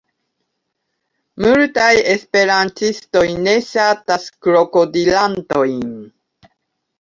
Multaj esperantistoj ne ŝatas krokodilantojn.